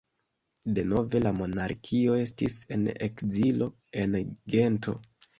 Denove la monarkio estis en ekzilo, en Gento.